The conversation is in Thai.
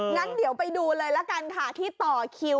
งั้นเดี๋ยวไปดูเลยละกันค่ะที่ต่อคิว